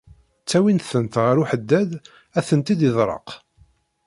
Ttawin-tent ɣer uḥeddad ad tent-id-iḍerreq.